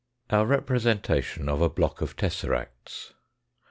OUR REPRESENTATION OF A BLOCK OF TESSERACTS.